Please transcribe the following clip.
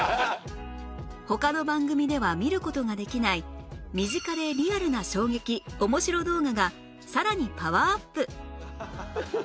他の番組では見る事ができない身近でリアルな衝撃オモシロ動画がさらにパワーアップ！